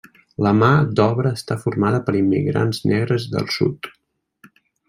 La mà d'obra està formada per immigrants negres del sud.